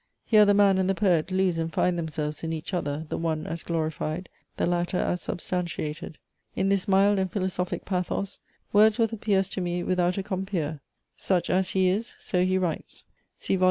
Here the Man and the Poet lose and find themselves in each other, the one as glorified, the latter as substantiated. In this mild and philosophic pathos, Wordsworth appears to me without a compeer. Such as he is: so he writes. See vol.